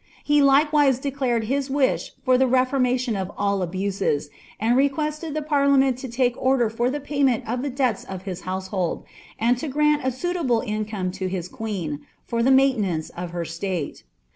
He likewiee declared his wish for the reformation of all abuties, and r«t)u<«ied the parliament lo lake order for tlie payrooiil of the debts of bia household, and to |(rani a tuitable income lo his queen, fur the maii^ unAiice of her stale.